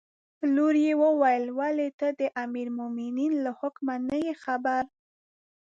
لور یې وویل: ولې ته د امیرالمؤمنین له حکمه نه یې خبره.